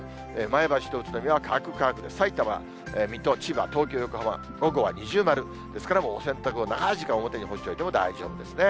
前橋と宇都宮は乾く、乾くで、さいたま、水戸、千葉、東京、横浜、午後は二重丸、ですから、もうお洗濯物、長い時間、表に干していても大丈夫ですね。